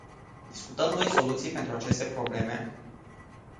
Discutăm noi soluții pentru aceste probleme?